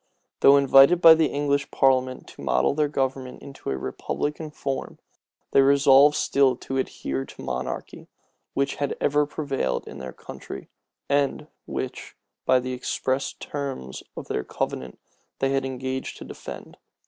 Though invited by the English parliament to model their government into a republican form, they resolved still to adhere to monarchy, which had ever prevailed in their country, and which, by the express terms of their covenant they had engaged to defend.